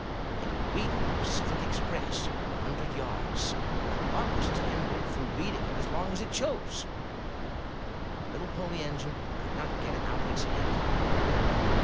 It had beaten the Pacific Express in a hundred yards, and what was to hinder it from beating it as long as it chose? The little Pony Engine could not get it out of its head.